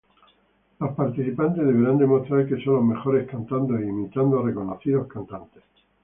Los participantes deberán demostrar que son los mejores cantando e imitando a reconocidos cantantes.